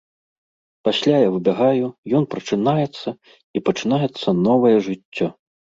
Пасля я выбягаю, ён прачынаецца, і пачынаецца новае жыццё.